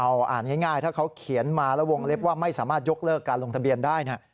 เอาอ่านง่ายถ้าเขาเขียนมาแล้ววงเล็บว่าไม่สามารถยกเลิกการลงทะเบียนได้เนี่ย